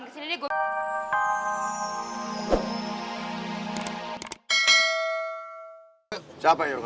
jadi gue paksain kesini deh gue